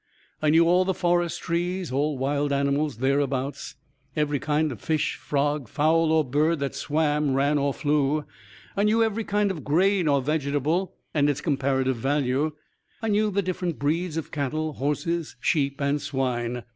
I knew all the forest trees, all wild animals thereabout, every kind of fish, frog, fowl or bird that swam, ran or flew. I knew every kind of grain or vegetable, and its comparative value. I knew the different breeds of cattle, horses, sheep and swine.